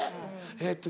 「えっと